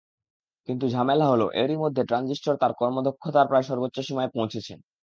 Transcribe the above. কিন্তু ঝামেলা হলো, এরই মধ্যে ট্রানজিস্টর তার কর্মদক্ষতার প্রায় সর্বোচ্চ সীমায় পৌঁছেছে।